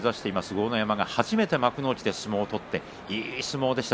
豪ノ山が初めて幕内で相撲を取っていい相撲でした。